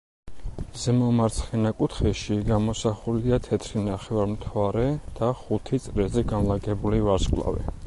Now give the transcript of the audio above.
ზემო მარცხენა კუთხეში გამოსახულია თეთრი ნახევარმთვარე და ხუთი წრეზე განლაგებული ვარსკვლავი.